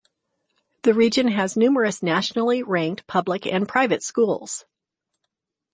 The region has numerous nationally ranked public and private schools.